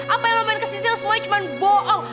apa yang lo main ke sisil semuanya cuma bohong